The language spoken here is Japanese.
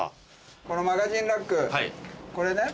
このマガジンラックこれね。